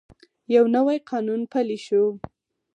یو نوی قانون پلی شو.